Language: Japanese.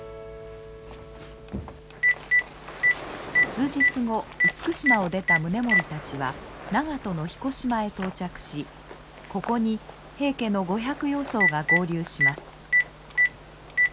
数日後厳島を出た宗盛たちは長門の彦島へ到着しここに平家の５００余そうが合流します。